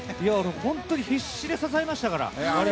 ホントに必死で支えましたから。